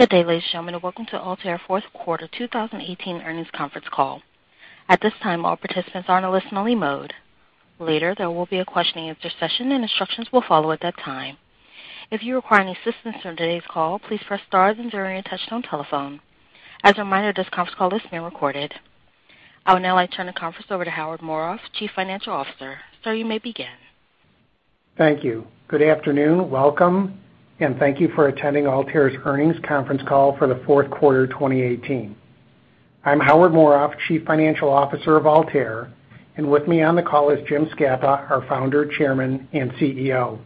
Good day, ladies and gentlemen, welcome to Altair's fourth quarter 2018 earnings conference call. At this time, all participants are in a listen-only mode. Later, there will be a questioning and answer session, and instructions will follow at that time. If you require any assistance during today's call, please press star then zero on your touch-tone telephone. As a reminder, this conference call is being recorded. I would now like to turn the conference over to Howard Morof, Chief Financial Officer. Sir, you may begin. Thank you. Good afternoon, welcome, and thank you for attending Altair's earnings conference call for the fourth quarter of 2018. I'm Howard Morof, Chief Financial Officer of Altair, and with me on the call is James Scapa, our Founder, Chairman, and CEO.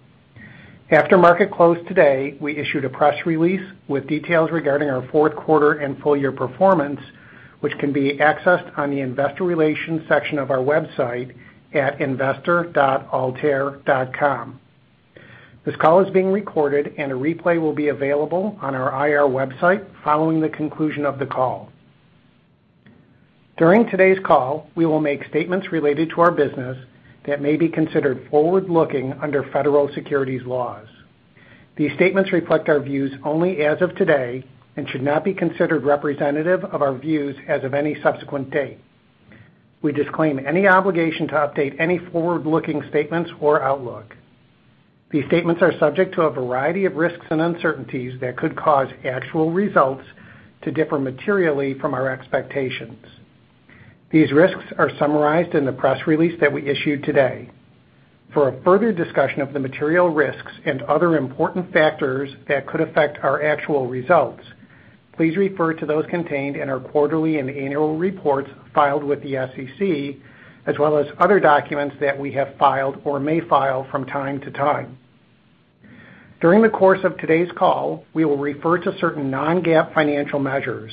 After market close today, we issued a press release with details regarding our fourth quarter and full year performance, which can be accessed on the investor relations section of our website at investor.altair.com. This call is being recorded, and a replay will be available on our IR website following the conclusion of the call. During today's call, we will make statements related to our business that may be considered forward-looking under federal securities laws. These statements reflect our views only as of today and should not be considered representative of our views as of any subsequent date. We disclaim any obligation to update any forward-looking statements or outlook. These statements are subject to a variety of risks and uncertainties that could cause actual results to differ materially from our expectations. These risks are summarized in the press release that we issued today. For a further discussion of the material risks and other important factors that could affect our actual results, please refer to those contained in our quarterly and annual reports filed with the SEC, as well as other documents that we have filed or may file from time to time. During the course of today's call, we will refer to certain non-GAAP financial measures.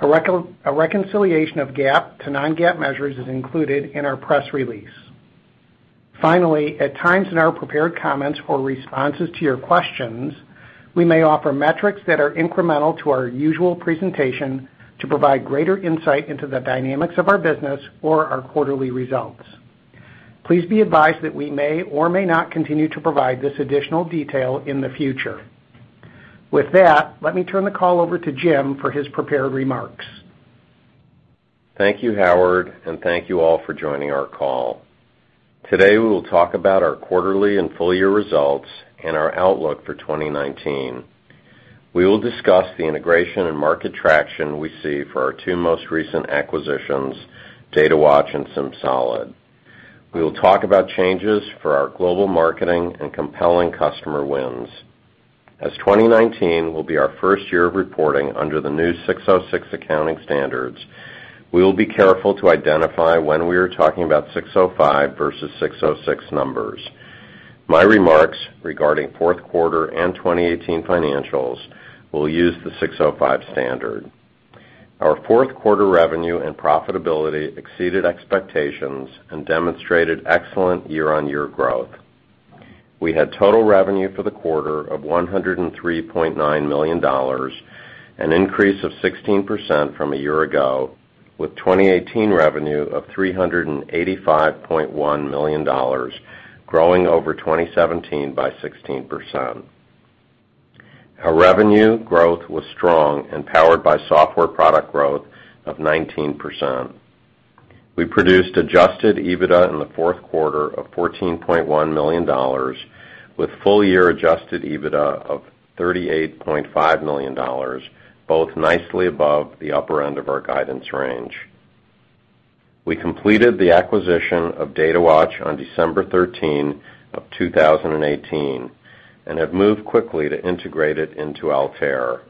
A reconciliation of GAAP to non-GAAP measures is included in our press release. At times in our prepared comments or responses to your questions, we may offer metrics that are incremental to our usual presentation to provide greater insight into the dynamics of our business or our quarterly results. Please be advised that we may or may not continue to provide this additional detail in the future. With that, let me turn the call over to Jim for his prepared remarks. Thank you, Howard, and thank you all for joining our call. Today, we will talk about our quarterly and full-year results and our outlook for 2019. We will discuss the integration and market traction we see for our two most recent acquisitions, Datawatch and SimSolid. We will talk about changes for our global marketing and compelling customer wins. As 2019 will be our first year of reporting under the new 606 accounting standards, we will be careful to identify when we are talking about 605 versus 606 numbers. My remarks regarding fourth quarter and 2018 financials will use the 605 standard. Our fourth quarter revenue and profitability exceeded expectations and demonstrated excellent year-on-year growth. We had total revenue for the quarter of $103.9 million, an increase of 16% from a year ago, with 2018 revenue of $385.1 million, growing over 2017 by 16%. Our revenue growth was strong and powered by software product growth of 19%. We produced adjusted EBITDA in the fourth quarter of $14.1 million with full-year adjusted EBITDA of $38.5 million, both nicely above the upper end of our guidance range. We completed the acquisition of Datawatch on December 13, 2018 and have moved quickly to integrate it into Altair.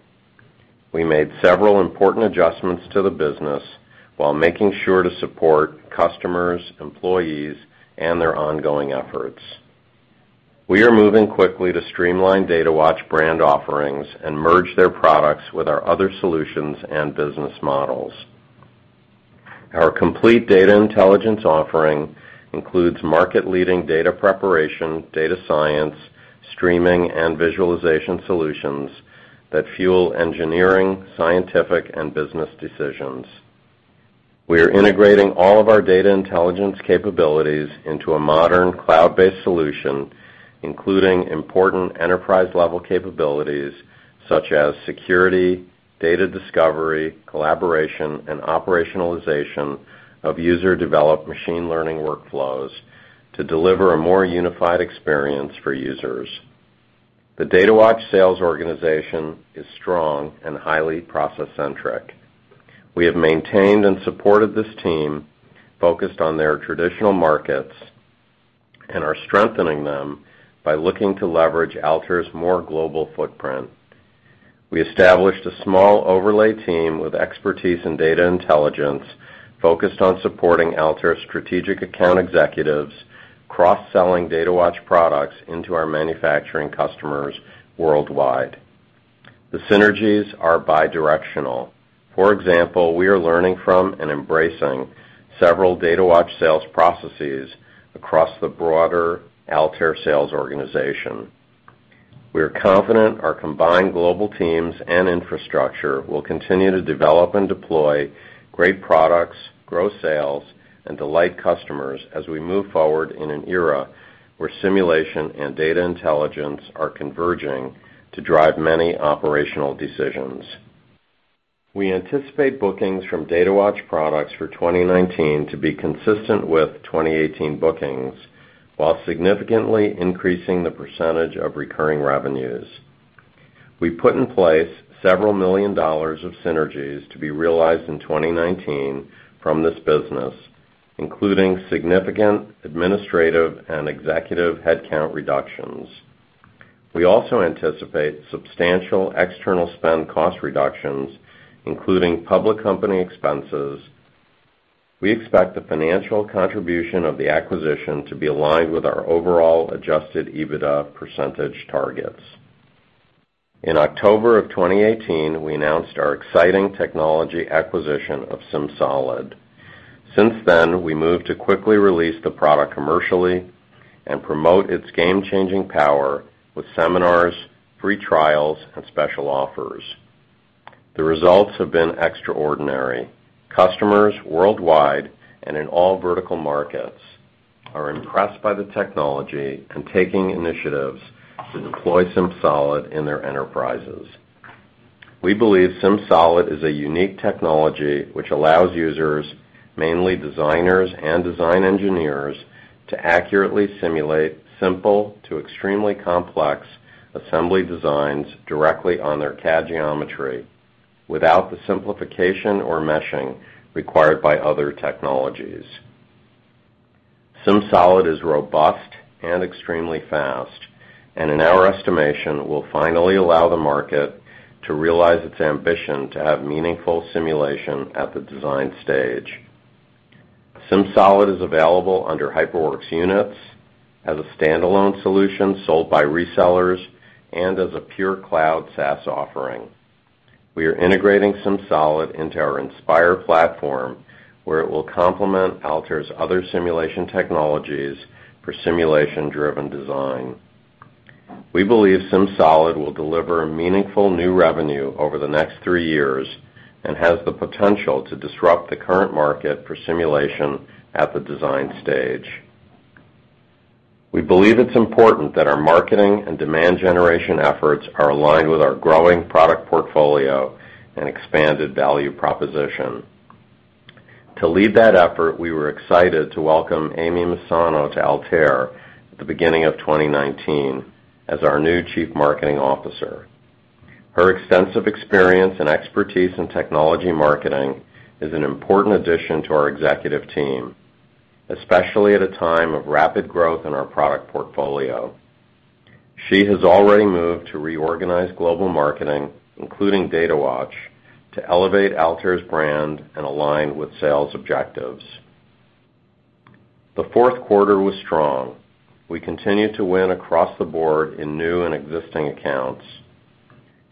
We made several important adjustments to the business while making sure to support customers, employees, and their ongoing efforts. We are moving quickly to streamline Datawatch brand offerings and merge their products with our other solutions and business models. Our complete data intelligence offering includes market-leading data preparation, data science, streaming, and visualization solutions that fuel engineering, scientific, and business decisions. We are integrating all of our data intelligence capabilities into a modern cloud-based solution, including important enterprise-level capabilities such as security, data discovery, collaboration, and operationalization of user-developed machine learning workflows to deliver a more unified experience for users. The Datawatch sales organization is strong and highly process-centric. We have maintained and supported this team, focused on their traditional markets, and are strengthening them by looking to leverage Altair's more global footprint. We established a small overlay team with expertise in data intelligence focused on supporting Altair's strategic account executives cross-selling Datawatch products into our manufacturing customers worldwide. The synergies are bidirectional. For example, we are learning from and embracing several Datawatch sales processes across the broader Altair sales organization. We are confident our combined global teams and infrastructure will continue to develop and deploy great products, grow sales, and delight customers as we move forward in an era where simulation and data intelligence are converging to drive many operational decisions. We anticipate bookings from Datawatch products for 2019 to be consistent with 2018 bookings, while significantly increasing the percentage of recurring revenues. We put in place several million dollars of synergies to be realized in 2019 from this business, including significant administrative and executive headcount reductions. We also anticipate substantial external spend cost reductions, including public company expenses. We expect the financial contribution of the acquisition to be aligned with our overall adjusted EBITDA percentage targets. In October 2018, we announced our exciting technology acquisition of SimSolid. Since then, we moved to quickly release the product commercially and promote its game-changing power with seminars, free trials, and special offers. The results have been extraordinary. Customers worldwide and in all vertical markets are impressed by the technology and taking initiatives to deploy SimSolid in their enterprises. We believe SimSolid is a unique technology which allows users, mainly designers and design engineers, to accurately simulate simple to extremely complex assembly designs directly on their CAD geometry without the simplification or meshing required by other technologies. SimSolid is robust and extremely fast, and in our estimation, will finally allow the market to realize its ambition to have meaningful simulation at the design stage. SimSolid is available under HyperWorks Units as a standalone solution sold by resellers and as a pure cloud SaaS offering. We are integrating SimSolid into our Inspire platform, where it will complement Altair's other simulation technologies for simulation-driven design. We believe SimSolid will deliver meaningful new revenue over the next three years and has the potential to disrupt the current market for simulation at the design stage. We believe it's important that our marketing and demand generation efforts are aligned with our growing product portfolio and expanded value proposition. To lead that effort, we were excited to welcome Amy Messano to Altair at the beginning of 2019 as our new chief marketing officer. Her extensive experience and expertise in technology marketing is an important addition to our executive team, especially at a time of rapid growth in our product portfolio. She has already moved to reorganize global marketing, including Datawatch, to elevate Altair's brand and align with sales objectives. The fourth quarter was strong. We continue to win across the board in new and existing accounts.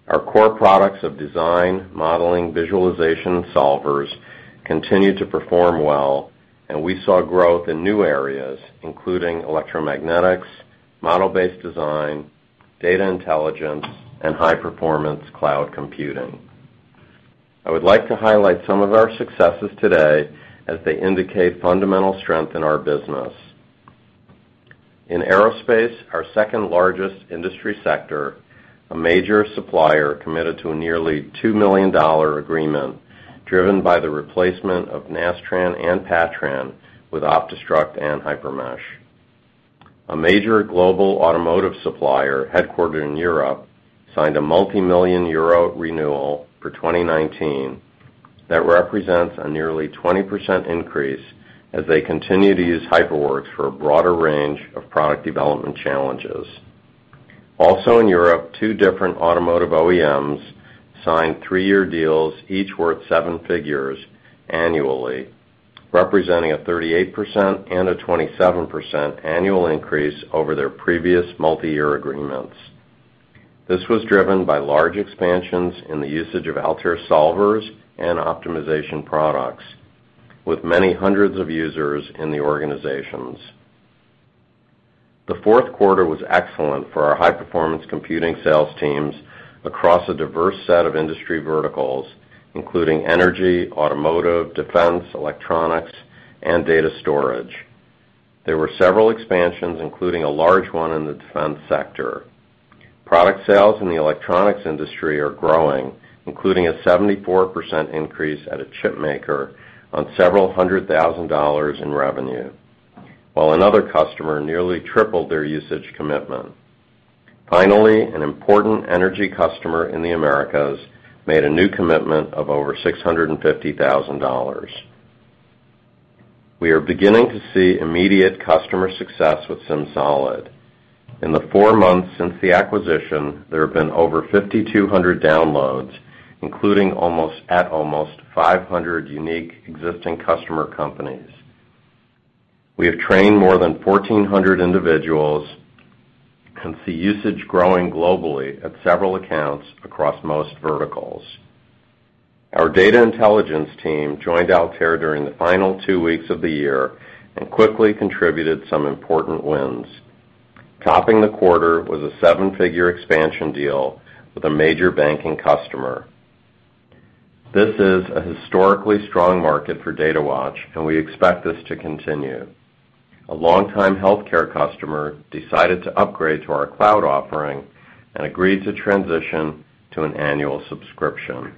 Our core products of design, modeling, visualization, and solvers continue to perform well, and we saw growth in new areas, including electromagnetics, model-based design, data intelligence, and high-performance cloud computing. I would like to highlight some of our successes today as they indicate fundamental strength in our business. In aerospace, our second-largest industry sector, a major supplier committed to a nearly $2 million agreement driven by the replacement of Nastran and Patran with OptiStruct and HyperMesh. A major global automotive supplier headquartered in Europe signed a multimillion EUR renewal for 2019 that represents a nearly 20% increase as they continue to use HyperWorks for a broader range of product development challenges. Also in Europe, two different automotive OEMs signed three-year deals, each worth seven figures annually, representing a 38% and a 27% annual increase over their previous multi-year agreements. This was driven by large expansions in the usage of Altair solvers and optimization products, with many hundreds of users in the organizations. The fourth quarter was excellent for our high-performance computing sales teams across a diverse set of industry verticals, including energy, automotive, defense, electronics, and data storage. There were several expansions, including a large one in the defense sector. Product sales in the electronics industry are growing, including a 74% increase at a chip maker on several hundred thousand dollars in revenue, while another customer nearly tripled their usage commitment. Finally, an important energy customer in the Americas made a new commitment of over $650,000. We are beginning to see immediate customer success with SimSolid. In the four months since the acquisition, there have been over 5,200 downloads, including at almost 500 unique existing customer companies. We have trained more than 1,400 individuals and see usage growing globally at several accounts across most verticals. Our data intelligence team joined Altair during the final two weeks of the year and quickly contributed some important wins. Topping the quarter was a seven-figure expansion deal with a major banking customer. This is a historically strong market for Datawatch, and we expect this to continue. A longtime healthcare customer decided to upgrade to our cloud offering and agreed to transition to an annual subscription.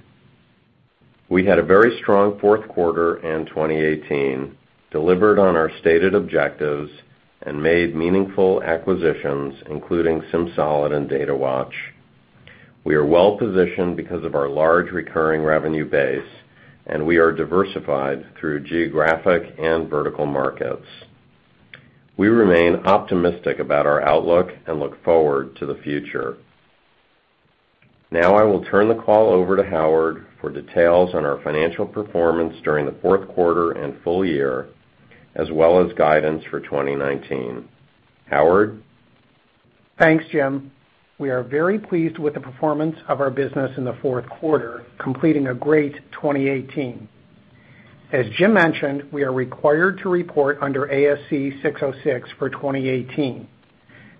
We had a very strong fourth quarter in 2018, delivered on our stated objectives, and made meaningful acquisitions, including SimSolid and Datawatch. We are well-positioned because of our large recurring revenue base, and we are diversified through geographic and vertical markets. We remain optimistic about our outlook and look forward to the future. I will turn the call over to Howard for details on our financial performance during the fourth quarter and full year, as well as guidance for 2019. Howard? Thanks, Jim. We are very pleased with the performance of our business in the fourth quarter, completing a great 2018. As Jim mentioned, we are required to report under ASC 606 for 2018.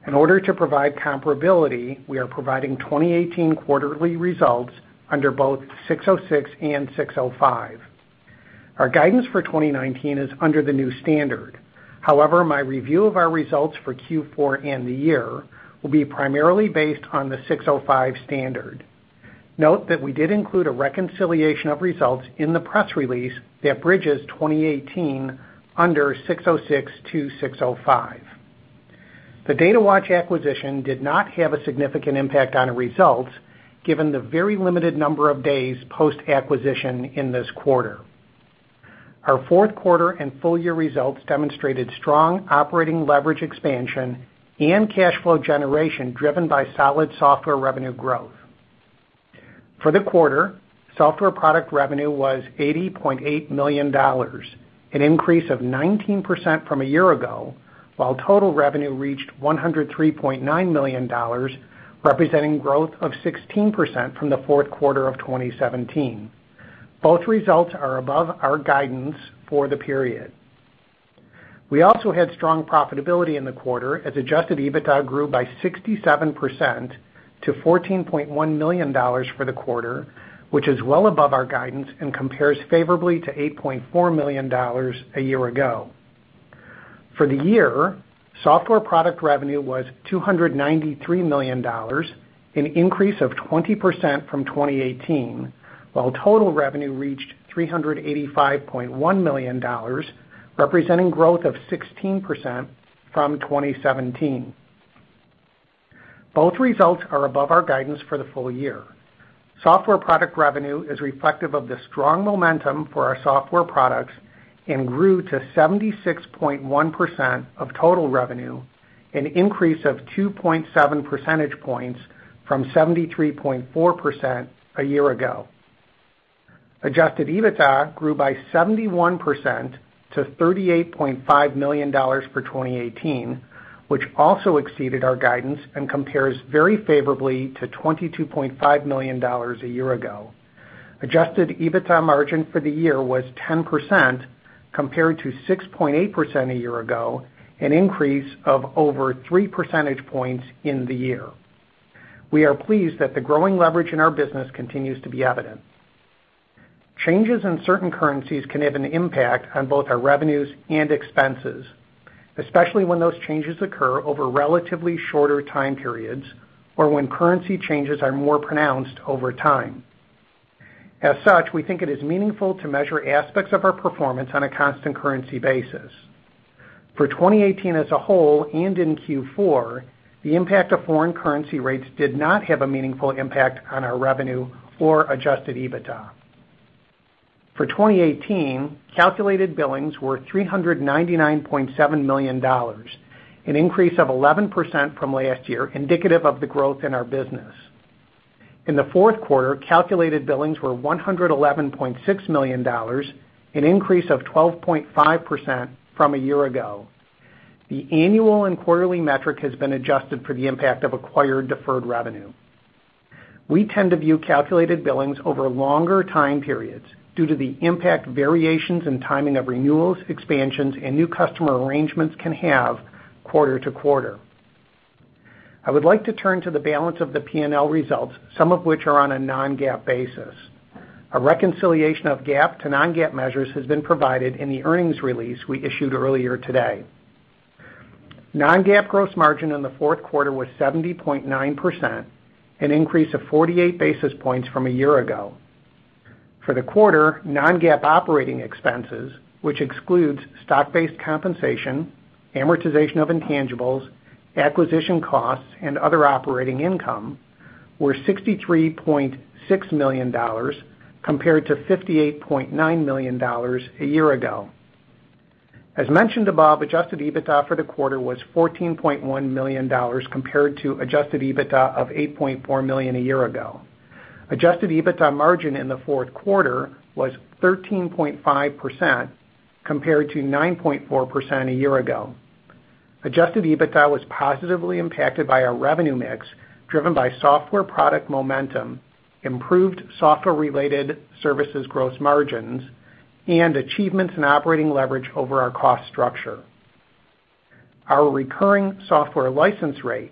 In order to provide comparability, we are providing 2018 quarterly results under both 606 and 605. Our guidance for 2019 is under the new standard. My review of our results for Q4 and the year will be primarily based on the 605 standard. Note we did include a reconciliation of results in the press release that bridges 2018 under 606 to 605. The Datawatch acquisition did not have a significant impact on the results, given the very limited number of days post-acquisition in this quarter. Our fourth quarter and full year results demonstrated strong operating leverage expansion and cash flow generation driven by solid software revenue growth. For the quarter, software product revenue was $80.8 million, an increase of 19% from a year ago, while total revenue reached $103.9 million, representing growth of 16% from the fourth quarter of 2017. Both results are above our guidance for the period. We also had strong profitability in the quarter, as adjusted EBITDA grew by 67% to $14.1 million for the quarter, which is well above our guidance and compares favorably to $8.4 million a year ago. For the year, software product revenue was $293 million, an increase of 20% from 2018, while total revenue reached $385.1 million, representing growth of 16% from 2017. Both results are above our guidance for the full year. Software product revenue is reflective of the strong momentum for our software products and grew to 76.1% of total revenue, an increase of 2.7 percentage points from 73.4% a year ago. Adjusted EBITDA grew by 71% to $38.5 million for 2018, which also exceeded our guidance and compares very favorably to $22.5 million a year ago. Adjusted EBITDA margin for the year was 10% compared to 6.8% a year ago, an increase of over three percentage points in the year. We are pleased that the growing leverage in our business continues to be evident. Changes in certain currencies can have an impact on both our revenues and expenses, especially when those changes occur over relatively shorter time periods or when currency changes are more pronounced over time. We think it is meaningful to measure aspects of our performance on a constant currency basis. For 2018 as a whole and in Q4, the impact of foreign currency rates did not have a meaningful impact on our revenue or adjusted EBITDA. For 2018, calculated billings were $399.7 million, an increase of 11% from last year, indicative of the growth in our business. In the fourth quarter, calculated billings were $111.6 million, an increase of 12.5% from a year ago. The annual and quarterly metric has been adjusted for the impact of acquired deferred revenue. We tend to view calculated billings over longer time periods due to the impact variations and timing of renewals, expansions, and new customer arrangements can have quarter to quarter. I would like to turn to the balance of the P&L results, some of which are on a non-GAAP basis. A reconciliation of GAAP to non-GAAP measures has been provided in the earnings release we issued earlier today. Non-GAAP gross margin in the fourth quarter was 70.9%, an increase of 48 basis points from a year ago. For the quarter, non-GAAP operating expenses, which excludes stock-based compensation, amortization of intangibles, acquisition costs, and other operating income, were $63.6 million, compared to $58.9 million a year ago. Adjusted EBITDA for the quarter was $14.1 million compared to adjusted EBITDA of $8.4 million a year ago. Adjusted EBITDA margin in the fourth quarter was 13.5% compared to 9.4% a year ago. Adjusted EBITDA was positively impacted by our revenue mix driven by software product momentum, improved software-related services gross margins, and achievements in operating leverage over our cost structure. Our recurring software license rate,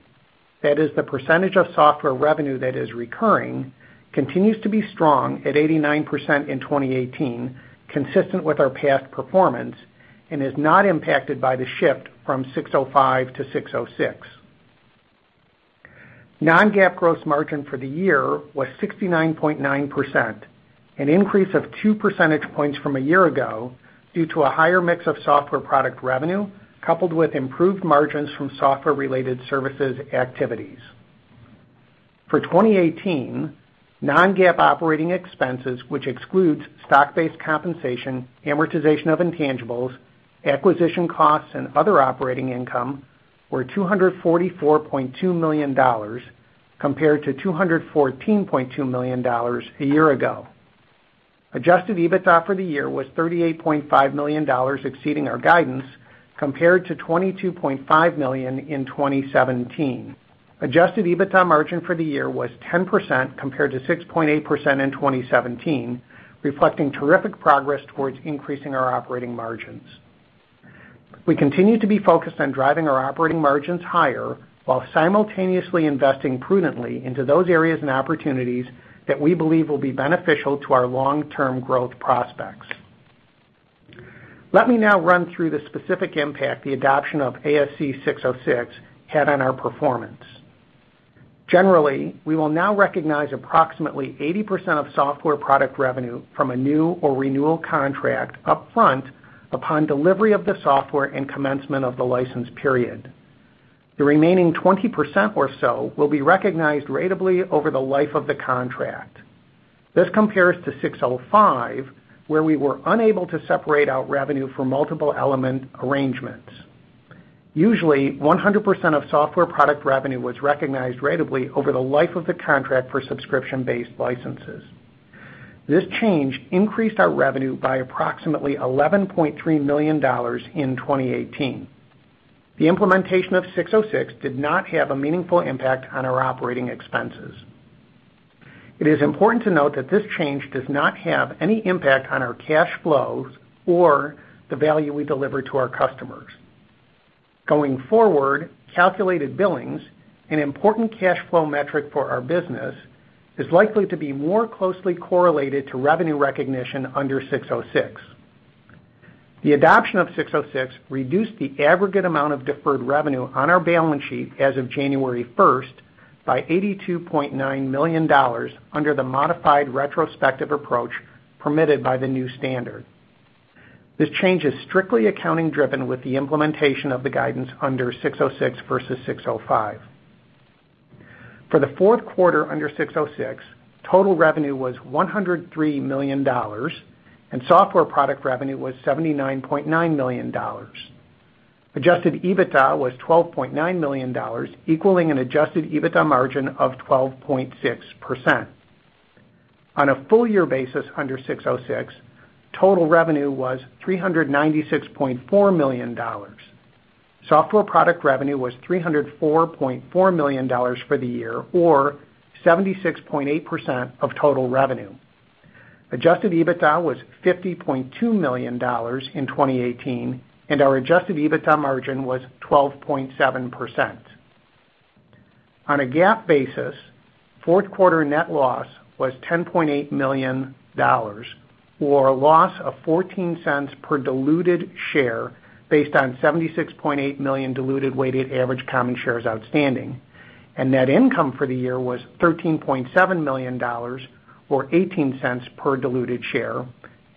that is the percentage of software revenue that is recurring, continues to be strong at 89% in 2018, consistent with our past performance, and is not impacted by the shift from 605 to 606. Non-GAAP gross margin for the year was 69.9%, an increase of two percentage points from a year ago due to a higher mix of software product revenue, coupled with improved margins from software-related services activities. For 2018, non-GAAP operating expenses, which excludes stock-based compensation, amortization of intangibles, acquisition costs, and other operating income, were $244.2 million, compared to $214.2 million a year ago. Adjusted EBITDA for the year was $38.5 million, exceeding our guidance, compared to $22.5 million in 2017. Adjusted EBITDA margin for the year was 10%, compared to 6.8% in 2017, reflecting terrific progress towards increasing our operating margins. We continue to be focused on driving our operating margins higher while simultaneously investing prudently into those areas and opportunities that we believe will be beneficial to our long-term growth prospects. Let me now run through the specific impact the adoption of ASC 606 had on our performance. Generally, we will now recognize approximately 80% of software product revenue from a new or renewal contract upfront upon delivery of the software and commencement of the license period. The remaining 20% or so will be recognized ratably over the life of the contract. This compares to 605, where we were unable to separate out revenue for multiple element arrangements. Usually, 100% of software product revenue was recognized ratably over the life of the contract for subscription-based licenses. This change increased our revenue by approximately $11.3 million in 2018. The implementation of 606 did not have a meaningful impact on our operating expenses. It is important to note that this change does not have any impact on our cash flows or the value we deliver to our customers. Going forward, calculated billings, an important cash flow metric for our business, is likely to be more closely correlated to revenue recognition under 606. The adoption of 606 reduced the aggregate amount of deferred revenue on our balance sheet as of January 1st by $82.9 million under the modified retrospective approach permitted by the new standard. This change is strictly accounting driven with the implementation of the guidance under 606 versus 605. For the fourth quarter under 606, total revenue was $103 million, and software product revenue was $79.9 million. adjusted EBITDA was $12.9 million, equaling an adjusted EBITDA margin of 12.6%. On a full year basis under 606, total revenue was $396.4 million. Software product revenue was $304.4 million for the year or 76.8% of total revenue. adjusted EBITDA was $50.2 million in 2018, and our adjusted EBITDA margin was 12.7%. On a GAAP basis, fourth quarter net loss was $10.8 million, or a loss of $0.14 per diluted share based on 76.8 million diluted weighted average common shares outstanding. Net income for the year was $13.7 million, or $0.18 per diluted share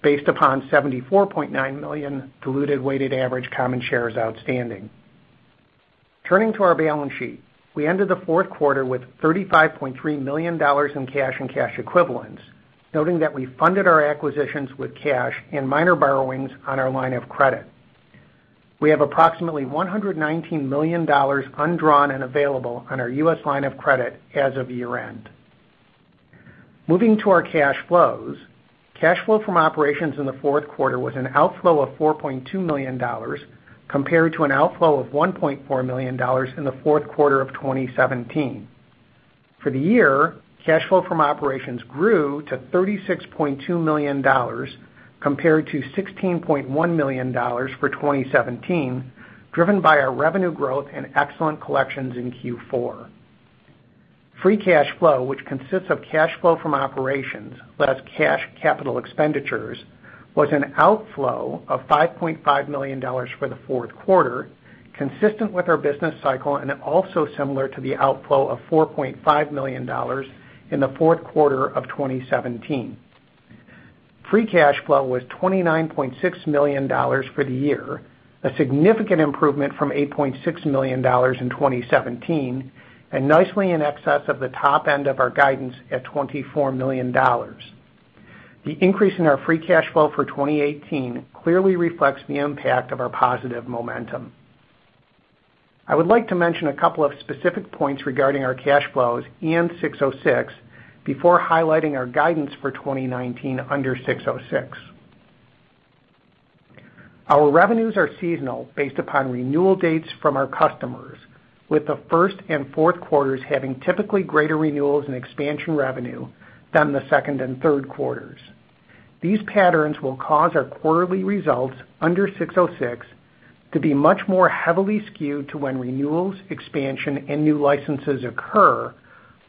based upon 74.9 million diluted weighted average common shares outstanding. Turning to our balance sheet, we ended the fourth quarter with $35.3 million in cash and cash equivalents, noting that we funded our acquisitions with cash and minor borrowings on our line of credit. We have approximately $119 million undrawn and available on our U.S. line of credit as of year-end. Moving to our cash flows, cash flow from operations in the fourth quarter was an outflow of $4.2 million compared to an outflow of $1.4 million in the fourth quarter of 2017. For the year, cash flow from operations grew to $36.2 million compared to $16.1 million for 2017, driven by our revenue growth and excellent collections in Q4. Free cash flow, which consists of cash flow from operations, less cash capital expenditures, was an outflow of $5.5 million for the fourth quarter, consistent with our business cycle and also similar to the outflow of $4.5 million in the fourth quarter of 2017. Free cash flow was $29.6 million for the year, a significant improvement from $8.6 million in 2017, and nicely in excess of the top end of our guidance at $24 million. The increase in our free cash flow for 2018 clearly reflects the impact of our positive momentum. I would like to mention a couple of specific points regarding our cash flows and 606 before highlighting our guidance for 2019 under 606. Our revenues are seasonal based upon renewal dates from our customers, with the first and fourth quarters having typically greater renewals and expansion revenue than the second and third quarters. These patterns will cause our quarterly results under 606 to be much more heavily skewed to when renewals, expansion, and new licenses occur,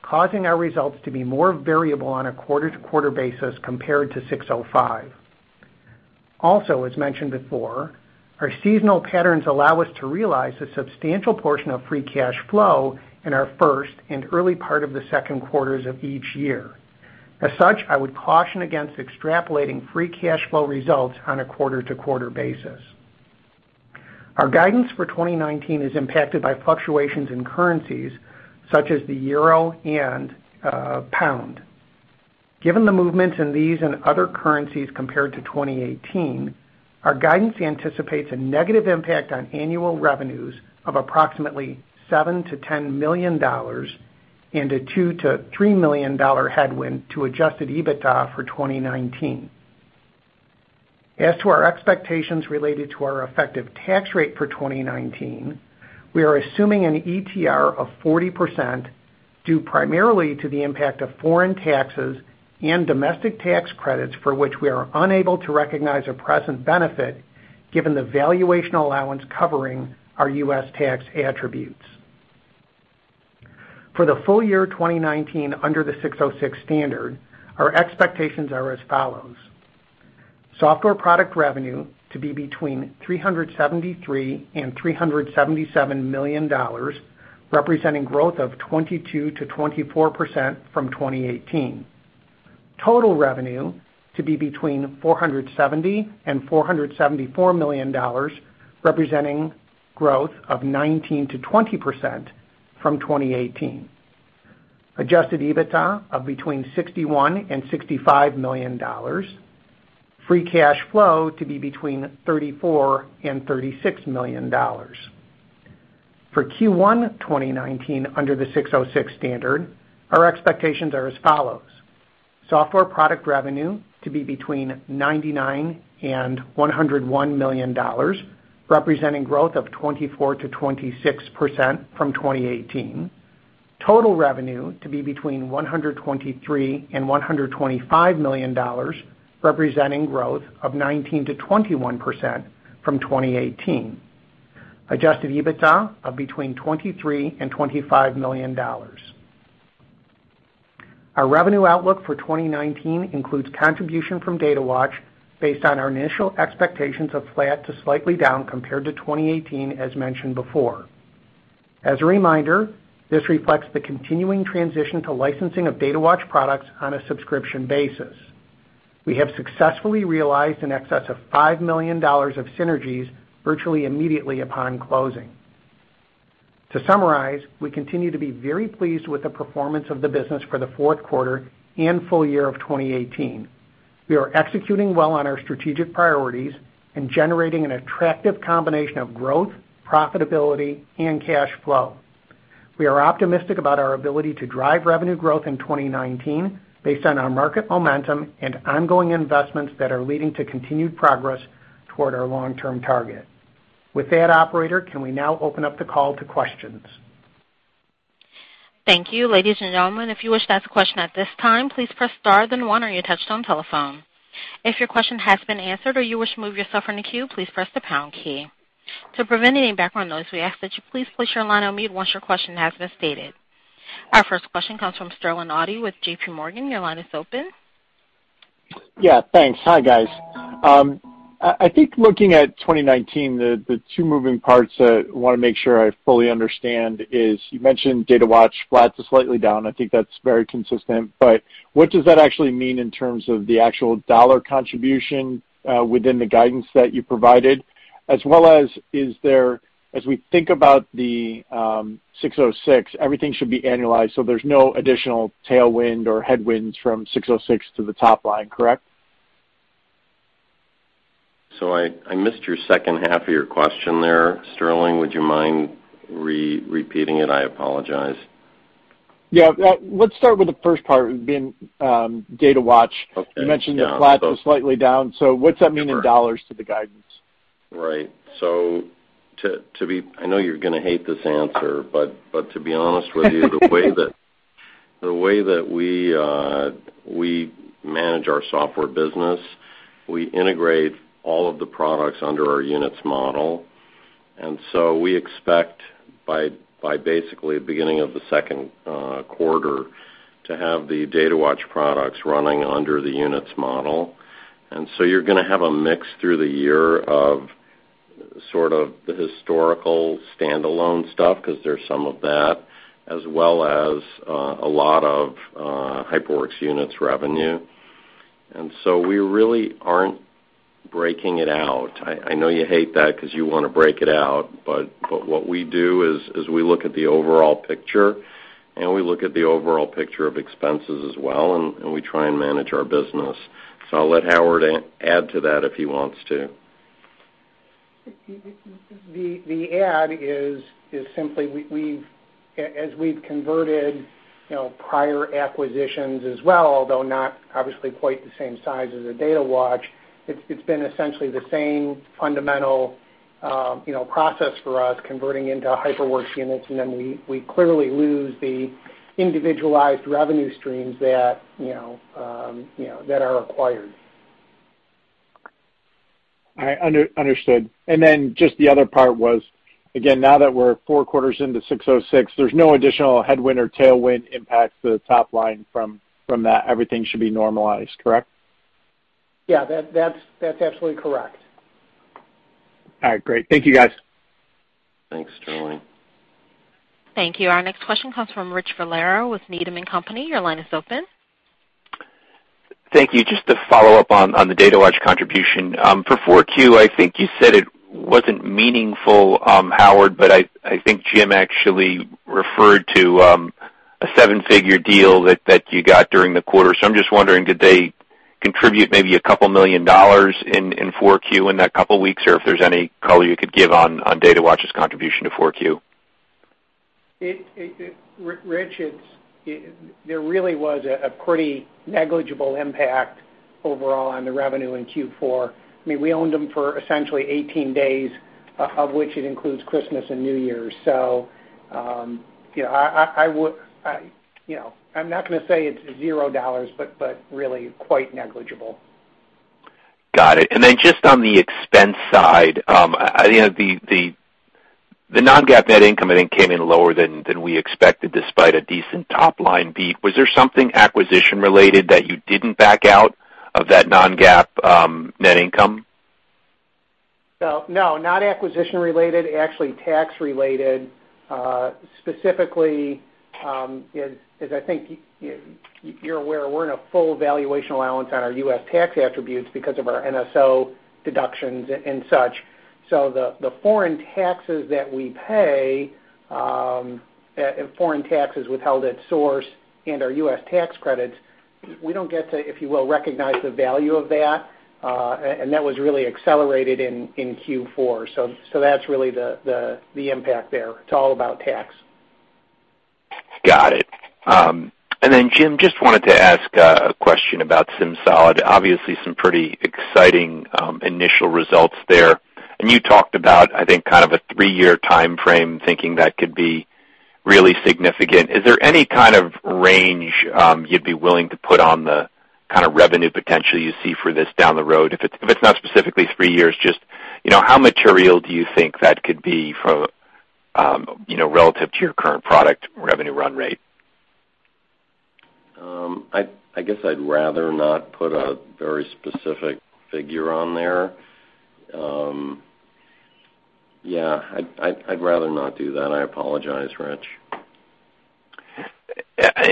causing our results to be more variable on a quarter-to-quarter basis compared to 605. Also, as mentioned before, our seasonal patterns allow us to realize a substantial portion of free cash flow in our first and early part of the second quarters of each year. As such, I would caution against extrapolating free cash flow results on a quarter-to-quarter basis. Our guidance for 2019 is impacted by fluctuations in currencies such as the euro and pound. Given the movements in these and other currencies compared to 2018, our guidance anticipates a negative impact on annual revenues of approximately $7 million-$10 million and a $2 million-$3 million headwind to adjusted EBITDA for 2019. As to our expectations related to our effective tax rate for 2019, we are assuming an ETR of 40% due primarily to the impact of foreign taxes and domestic tax credits for which we are unable to recognize a present benefit given the valuation allowance covering our U.S. tax attributes. For the full year 2019 under the 606 standard, our expectations are as follows: Software product revenue to be between $373 million and $377 million, representing growth of 22%-24% from 2018. Total revenue to be between $470 million and $474 million, representing growth of 19%-20% from 2018. Adjusted EBITDA of between $61 million and $65 million. Free cash flow to be between $34 million and $36 million. For Q1 2019 under the 606 standard, our expectations are as follows: Software product revenue to be between $99 million and $101 million, representing growth of 24%-26% from 2018. Total revenue to be between $123 million and $125 million, representing growth of 19%-21% from 2018. Adjusted EBITDA of between $23 million and $25 million. Our revenue outlook for 2019 includes contribution from Datawatch based on our initial expectations of flat to slightly down compared to 2018, as mentioned before. As a reminder, this reflects the continuing transition to licensing of Datawatch products on a subscription basis. We have successfully realized in excess of $5 million of synergies virtually immediately upon closing. To summarize, we continue to be very pleased with the performance of the business for the fourth quarter and full year of 2018. We are executing well on our strategic priorities and generating an attractive combination of growth, profitability, and cash flow. We are optimistic about our ability to drive revenue growth in 2019 based on our market momentum and ongoing investments that are leading to continued progress toward our long-term target. With that, operator, can we now open up the call to questions? Thank you. Ladies and gentlemen, if you wish to ask a question at this time, please press star then one on your touchtone telephone. If your question has been answered or you wish to move yourself in the queue, please press the pound key. To prevent any background noise, we ask that you please place your line on mute once your question has been stated. Our first question comes from Sterling Auty with JPMorgan. Your line is open. Yeah, thanks. Hi, guys. I think looking at 2019, the two moving parts that I want to make sure I fully understand is you mentioned Datawatch flat to slightly down. I think that's very consistent, but what does that actually mean in terms of the actual dollar contribution within the guidance that you provided? As well as we think about the 606, everything should be annualized, so there's no additional tailwind or headwinds from 606 to the top line, correct? I missed your second half of your question there, Sterling. Would you mind repeating it? I apologize. Yeah. Let's start with the first part being Datawatch. Okay. Yeah. You mentioned they're flat to slightly down. What's that mean in dollars to the guidance? Right. I know you're going to hate this answer, but to be honest with you, the way that we manage our software business, we integrate all of the products under our units model. We expect by basically the beginning of the second quarter to have the Datawatch products running under the units model. You're going to have a mix through the year of sort of the historical standalone stuff, because there's some of that, as well as a lot of HyperWorks Units revenue. We really aren't breaking it out. I know you hate that because you want to break it out, but what we do is we look at the overall picture, and we look at the overall picture of expenses as well, and we try and manage our business. I'll let Howard add to that if he wants to. The add is simply as we've converted prior acquisitions as well, although not obviously quite the same size as the Datawatch, it's been essentially the same fundamental. Process for us converting into HyperWorks Units, and then we clearly lose the individualized revenue streams that are acquired. All right. Understood. Just the other part was, again, now that we're four quarters into 6.06, there's no additional headwind or tailwind impacts to the top line from that. Everything should be normalized, correct? Yeah, that's absolutely correct. All right, great. Thank you, guys. Thanks, Sterling. Thank you. Our next question comes from Richard Valera with Needham & Company. Your line is open. Thank you. Just to follow up on the Datawatch contribution. For 4Q, I think you said it wasn't meaningful, Howard, but I think Jim actually referred to a seven-figure deal that you got during the quarter. I'm just wondering, did they contribute maybe a couple million dollars in 4Q in that couple weeks, or if there's any color you could give on Datawatch's contribution to 4Q? Rich, there really was a pretty negligible impact overall on the revenue in Q4. We owned them for essentially 18 days, of which it includes Christmas and New Year's. I'm not going to say it's $0, but really quite negligible. Got it. Just on the expense side, the non-GAAP net income, I think, came in lower than we expected despite a decent top-line beat. Was there something acquisition-related that you didn't back out of that non-GAAP net income? No, not acquisition-related, actually, tax-related. Specifically, as I think you're aware, we're in a full valuation allowance on our U.S. tax attributes because of our NSO deductions and such. The foreign taxes that we pay, foreign taxes withheld at source and our U.S. tax credits, we don't get to, if you will, recognize the value of that. That was really accelerated in Q4. That's really the impact there. It's all about tax. Got it. Jim, just wanted to ask a question about SimSolid. Obviously, some pretty exciting initial results there. You talked about, I think, a three-year timeframe, thinking that could be really significant. Is there any kind of range you'd be willing to put on the kind of revenue potential you see for this down the road? If it's not specifically three years, just how material do you think that could be relative to your current product revenue run rate? I guess I'd rather not put a very specific figure on there. Yeah, I'd rather not do that. I apologize, Rich.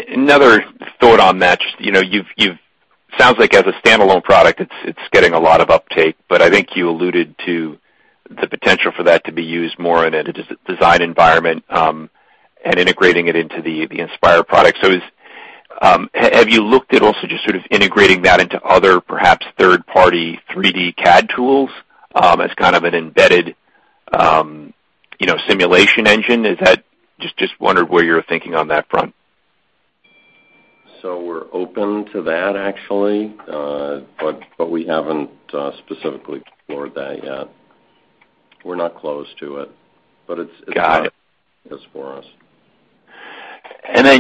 Another thought on that. Sounds like as a standalone product, it's getting a lot of uptake, but I think you alluded to the potential for that to be used more in a design environment and integrating it into the Inspire product. Have you looked at also just integrating that into other, perhaps, third-party 3D CAD tools as kind of an embedded simulation engine? Just wondered where you're thinking on that front. We're open to that, actually. We haven't specifically explored that yet. We're not close to it. Got it for us.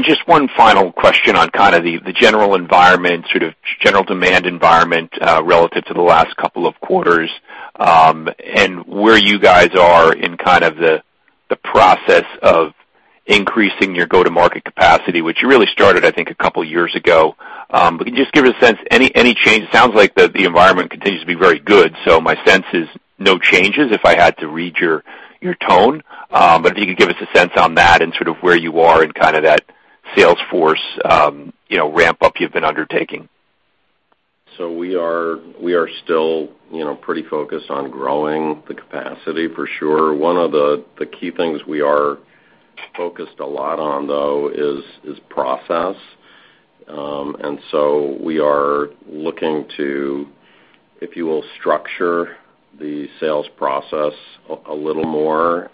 Just one final question on the general environment, general demand environment relative to the last couple of quarters, and where you guys are in the process of increasing your go-to-market capacity, which really started, I think, a couple years ago. Can you just give us a sense, any change? It sounds like the environment continues to be very good. My sense is no changes, if I had to read your tone. If you could give us a sense on that and where you are in that sales force ramp-up you've been undertaking. We are still pretty focused on growing the capacity for sure. One of the key things we are focused a lot on, though, is process. We are looking to, if you will, structure the sales process a little more.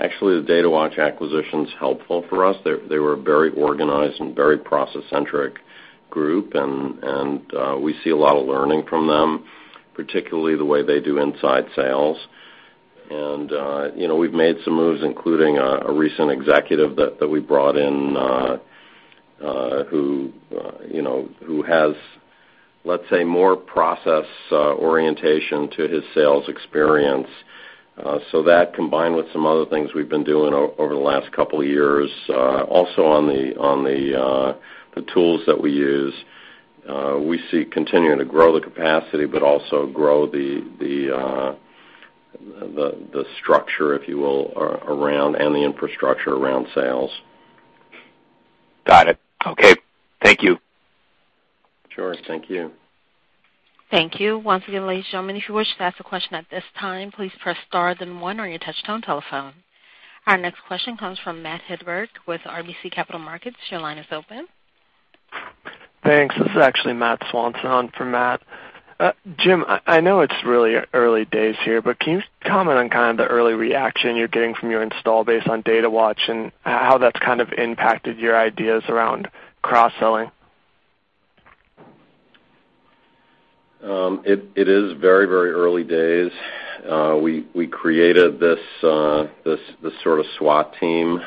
Actually, the Datawatch acquisition's helpful for us. They were a very organized and very process-centric group, and we see a lot of learning from them, particularly the way they do inside sales. We've made some moves, including a recent executive that we brought in who has, let's say, more process orientation to his sales experience. That combined with some other things we've been doing over the last couple of years, also on the tools that we use, we see continuing to grow the capacity but also grow the structure, if you will, around, and the infrastructure around sales. Got it. Okay. Thank you. Sure. Thank you. Thank you. Once again, ladies and gentlemen, if you wish to ask a question at this time, please press star then one on your touchtone telephone. Our next question comes from Matthew Hedberg with RBC Capital Markets. Your line is open. Thanks. This is actually Matt Swanson on for Matt. Jim, I know it's really early days here, but can you comment on the early reaction you're getting from your install base on Datawatch and how that's impacted your ideas around cross-selling? It is very early days. We created this sort of SWAT team,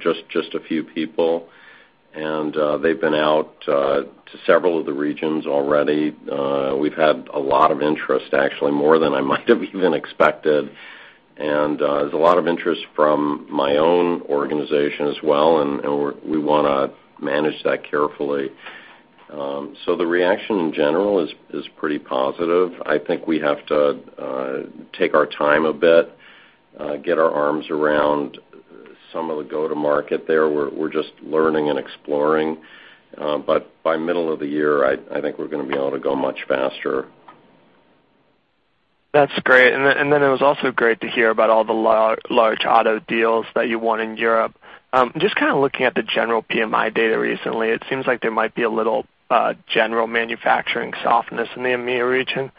just a few people, and they've been out to several of the regions already. We've had a lot of interest, actually, more than I might have even expected. There's a lot of interest from my own organization as well, and we want to manage that carefully. The reaction, in general, is pretty positive. I think we have to take our time a bit, get our arms around some of the go-to-market there. We're just learning and exploring. By middle of the year, I think we're going to be able to go much faster. That's great. It was also great to hear about all the large auto deals that you won in Europe. Just looking at the general PMI data recently, it seems like there might be a little general manufacturing softness in the EMEA region.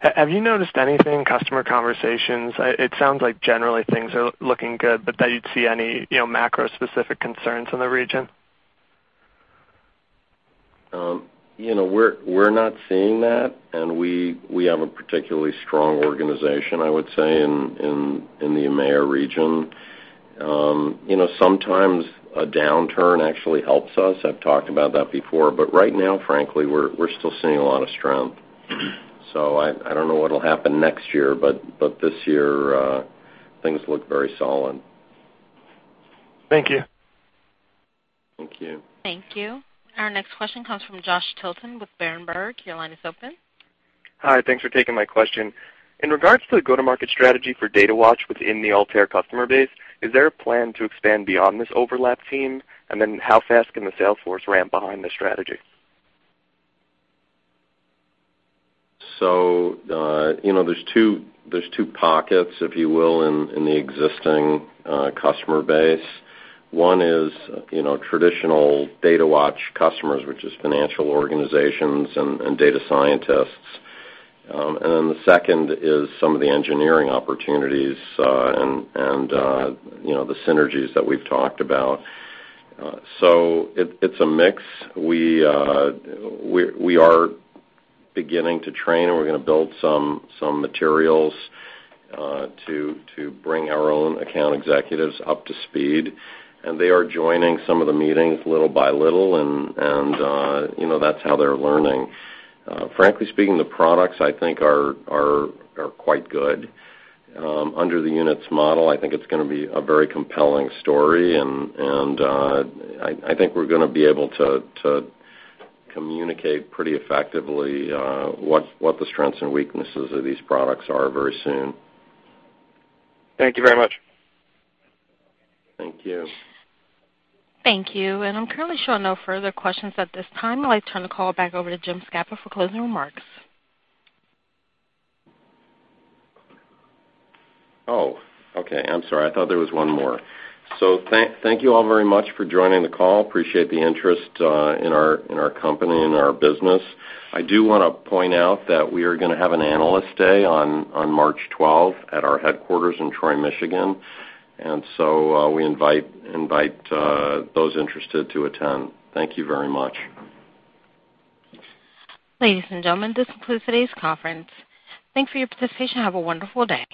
Have you noticed anything in customer conversations? It sounds like generally things are looking good, but that you'd see any macro-specific concerns in the region? We're not seeing that, we have a particularly strong organization, I would say, in the EMEA region. Sometimes a downturn actually helps us. I've talked about that before. Right now, frankly, we're still seeing a lot of strength. I don't know what'll happen next year, but this year, things look very solid. Thank you. Thank you. Thank you. Our next question comes from Joshua Tilton with Berenberg. Your line is open. Hi. Thanks for taking my question. In regards to the go-to-market strategy for Datawatch within the Altair customer base, is there a plan to expand beyond this overlap team? How fast can the sales force ramp behind this strategy? There's two pockets, if you will, in the existing customer base. One is traditional Datawatch customers, which is financial organizations and data scientists. The second is some of the engineering opportunities and the synergies that we've talked about. It's a mix. We are beginning to train, and we're going to build some materials to bring our own account executives up to speed. They are joining some of the meetings little by little, and that's how they're learning. Frankly speaking, the products, I think, are quite good. Under the Units model, I think it's going to be a very compelling story, and I think we're going to be able to communicate pretty effectively what the strengths and weaknesses of these products are very soon. Thank you very much. Thank you. Thank you. I'm currently showing no further questions at this time. I'd like to turn the call back over to James Scapa for closing remarks. Okay. I'm sorry. I thought there was one more. Thank you all very much for joining the call. Appreciate the interest in our company and our business. I do want to point out that we are going to have an Analyst Day on March 12th at our headquarters in Troy, Michigan. We invite those interested to attend. Thank you very much. Ladies and gentlemen, this concludes today's conference. Thanks for your participation. Have a wonderful day.